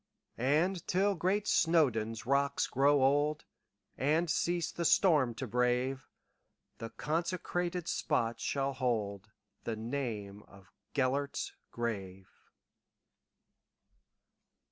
And, till great Snowdon's rocks grow old, And cease the storm to brave, The consecrated spot shall holdThe name of "Gêlert's Grave."